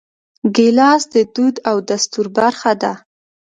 ګیلاس د دود او دستور برخه ده.